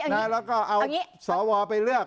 แล้วก็เอาสวไปเลือก